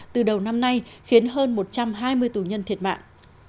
từ đầu năm nay khiến hơn một trăm hai mươi tù nhân thiệt mạng